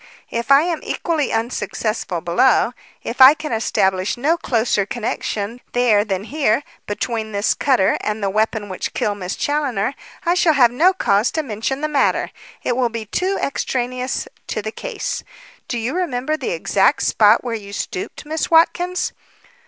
If I am equally unsuccessful below if I can establish no closer connection there than here between this cutter and the weapon which killed Miss Challoner, I shall have no cause to mention the matter. It will be too extraneous to the case. Do you remember the exact spot where you stooped, Miss Watkins?"